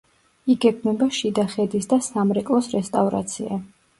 იგეგმება შიდა ხედის და სამრეკლოს რესტავრაცია.